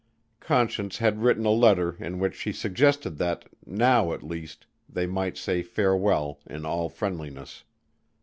Conscience had written a letter in which she suggested that, now at least, they might say farewell in all friendliness.